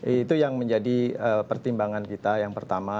itu yang menjadi pertimbangan kita yang pertama